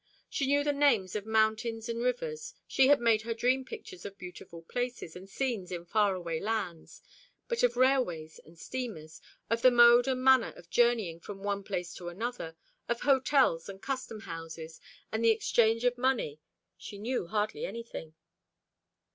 She knew the names of mountains and rivers, she had made her dream pictures of beautiful places and scenes in far away lands; but of railways and steamers, of the mode and manner of journeying from one place to another, of hotels and custom houses, and the exchange of money, she knew hardly anything.